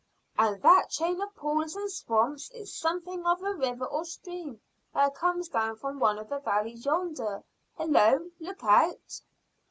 "And that chain of pools and swamps is something of a river or stream that comes down from one of the valleys yonder. Hallo! look out!"